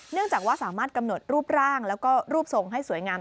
จากว่าสามารถกำหนดรูปร่างแล้วก็รูปทรงให้สวยงาม